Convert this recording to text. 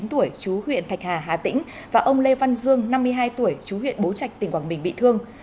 ba mươi chín tuổi chú huyện khạch hà hà tĩnh và ông lê văn dương năm mươi hai tuổi chú huyện bố trạch tỉnh quảng bình bị thương